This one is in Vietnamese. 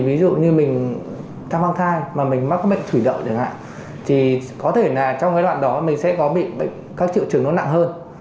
ví dụ như mình trong vòng thai mà mình mắc bệnh thủy đậu chẳng hạn thì có thể là trong cái đoạn đó mình sẽ có bệnh các triệu trưởng nó nặng hơn